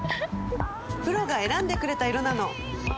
プロが選んでくれた色なの！